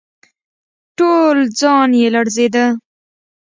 ټول ځان يې لړزېده.